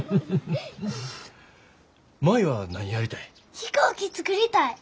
飛行機作りたい！